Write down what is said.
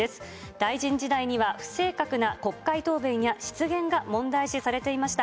大臣時代には不正確な国会答弁や、失言が問題視されていました。